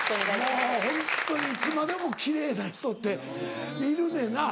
もうホントにいつまでも奇麗な人っているねな。